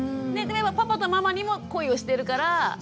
パパとママにも恋をしてるから離れると不安。